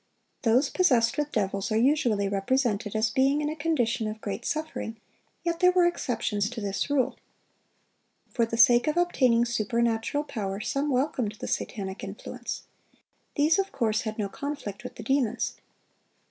"(913) Those possessed with devils are usually represented as being in a condition of great suffering; yet there were exceptions to this rule. For the sake of obtaining supernatural power, some welcomed the satanic influence. These of course had no conflict with the demons.